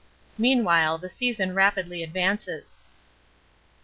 Meanwhile the season rapidly advances.